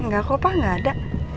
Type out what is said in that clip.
gak apa apa gak ada